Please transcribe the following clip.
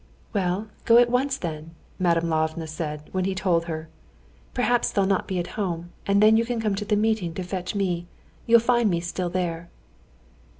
"Well, go at once then," Madame Lvova said, when he told her; "perhaps they'll not be at home, and then you can come to the meeting to fetch me. You'll find me still there."